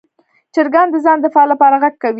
چرګان د ځان دفاع لپاره غږ کوي.